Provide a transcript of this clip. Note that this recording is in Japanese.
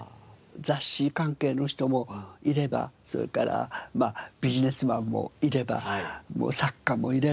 雑誌関係の人もいればそれからビジネスマンもいればもう作家もいれば。